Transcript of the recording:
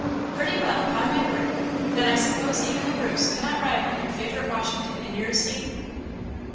"Pretty well, upon my word! Then I suppose even the Bruce cannot rival your favourite Washington in your esteem?"